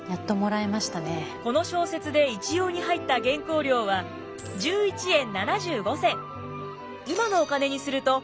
この小説で一葉に入った原稿料は１１円７５銭。